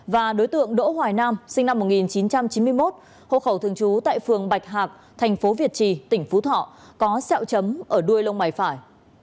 và đối tượng đỗ hoài nam sinh năm một nghìn chín trăm chín mươi một hộ khẩu thường trú tại phường bạch hạc thành phố việt trì tỉnh phú thọ có xeo chấm ở đuôi lông mày phải